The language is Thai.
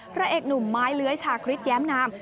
พระเอกหนุ่มไม้เลื้อยชาคริสแย้มนาม